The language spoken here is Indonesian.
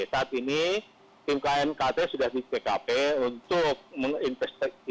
saat ini tim knkt sudah di tkp untuk menginvestigasi